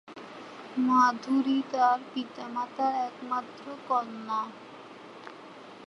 মাধুরী তার পিতামাতার একমাত্র কন্যা।